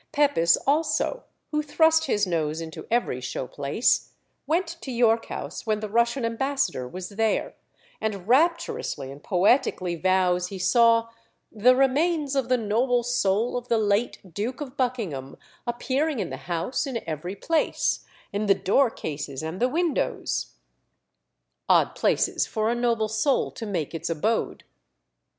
Pepys also, who thrust his nose into every show place, went to York House when the Russian ambassador was there, and rapturously and poetically vows he saw "the remains of the noble soul of the late Duke of Buckingham appearing in the house in every place, in the door cases and the windows," odd places for a noble soul to make its abode!